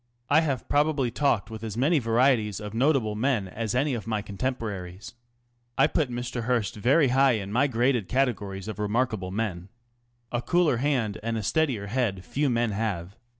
I have probably talked with as many varieties of notable men as any of my contemporaries. I put Mr. Hearst very high in my graded categories of remarkable men. A cooler hand and a steadier head few men have.